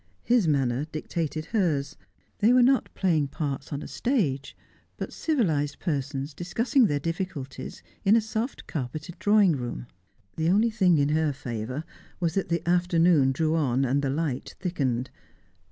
His manner dictated hers. They were not playing parts on a stage, but civilised persons discussing their difficulties in a soft carpeted drawing room. The only thing in her favour was that the afternoon drew on, and the light thickened.